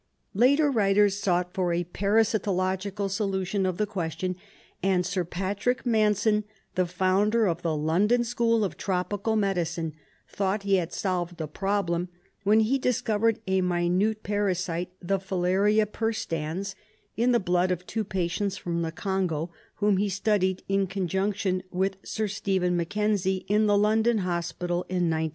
Later writers sought for a parasitological solution of the question, and Sir Patrick Manson, the founder of the London School of Tropical Medicine, thought he had solved the problem when he discovered a minute parasite, the Filaria perstans, in the blood of two patients from the Congo whom he studied, in conjunction with Sir Stephen Mackenzie, in the London Hospital in 1900.